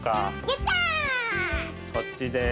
こっちです。